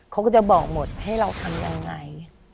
เขาก็จะบอกหมดให้เราทำยังไง